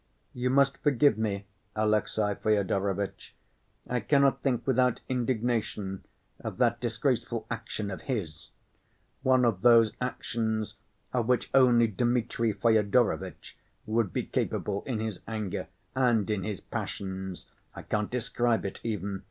You must forgive me, Alexey Fyodorovitch, I cannot think without indignation of that disgraceful action of his ... one of those actions of which only Dmitri Fyodorovitch would be capable in his anger ... and in his passions! I can't describe it even....